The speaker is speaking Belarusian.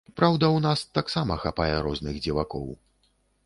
Праўда, у нас таксама хапае розных дзівакоў.